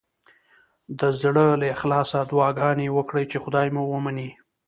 د زړه له اخلاصه دعاګانې وکړئ چې خدای مو ومني.